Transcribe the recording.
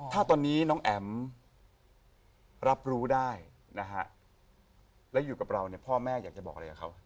ถ้าตอนนี้น้องแอ๋มรับรู้ได้นะฮะแล้วอยู่กับเราเนี่ยพ่อแม่อยากจะบอกอะไรกับเขา